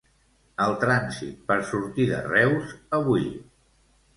El trànsit per sortir de Reus avui.